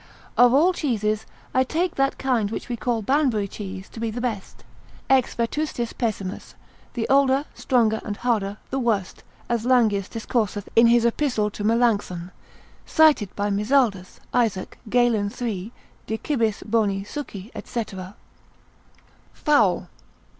Of all cheeses, I take that kind which we call Banbury cheese to be the best, ex vetustis pessimus, the older, stronger, and harder, the worst, as Langius discourseth in his Epistle to Melancthon, cited by Mizaldus, Isaac, p. 5. Gal. 3. de cibis boni succi. &c. _Fowl.